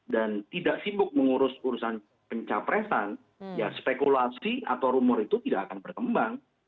dan tidak sibuk mengurus urusan pencapresan ya spekulasi atau rumor itu tidak akan berkembang